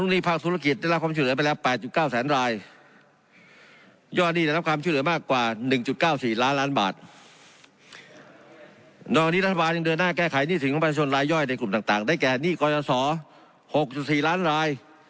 ตอนนี้รัฐบาลยังเดินหน้าแก้ไขหนี้สินของประชาชนรายย่อยในกลุ่มต่างได้แก่หนี้กรยศ๖๔ล้านราย